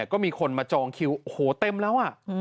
ก็มีคนมาจองคิวโอ้โหเต็มแล้ว